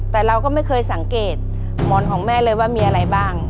แต่เราก็ไม่เคยสังเกตหมอนของแม่เลยว่ามีอะไรบ้าง